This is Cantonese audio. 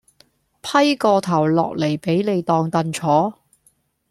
批個頭落嚟俾你當櫈坐